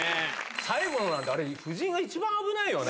最後のなんて、あれ、夫人が一番危ないよね。